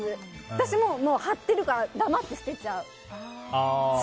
私も貼ってあるから黙って捨てちゃう。